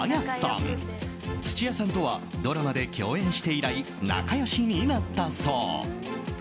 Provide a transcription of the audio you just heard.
［土屋さんとはドラマで共演して以来仲良しになったそう］